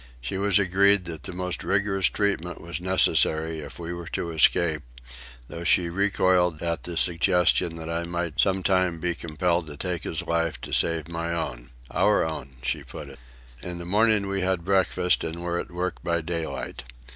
She was agreed that the most rigorous treatment was necessary if we were to escape, though she recoiled at the suggestion that I might some time be compelled to take his life to save my own—"our own," she put it. In the morning we had breakfast and were at work by daylight.